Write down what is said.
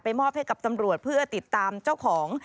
มอบให้กับตำรวจเพื่อติดตามเจ้าของ